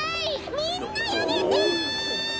みんなやめて！